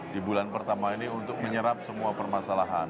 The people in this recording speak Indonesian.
di bulan pertama ini untuk menyerap semua permasalahan